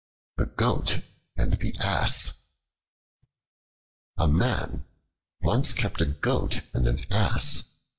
The Goat and the Ass A MAN once kept a Goat and an Ass.